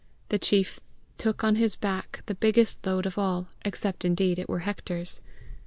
The chief took on his hack the biggest load of all, except indeed it were Hector's.